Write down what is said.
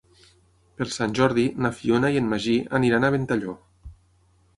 Per Sant Jordi na Fiona i en Magí aniran a Ventalló.